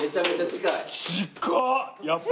近っ！